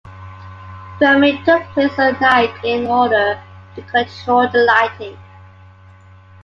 Filming took place at night in order to control the lighting.